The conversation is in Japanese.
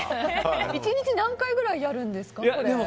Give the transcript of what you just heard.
１日、何回ぐらいやるんですか。